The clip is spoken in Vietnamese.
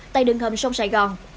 tại đường hầm sông sài gòn